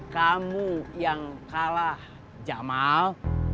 kamu yang kalah jamal